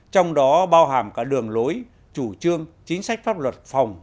trong đó bao hàm cả đường lối chủ trương chính sách pháp luật phòng